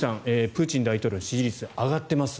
プーチン大統領の支持率上がっています。